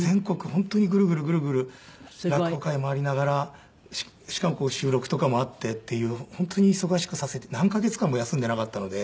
本当にグルグルグルグル落語会回りながらしかも収録とかもあってっていう本当に忙しくさせて何カ月間も休んでいなかったので。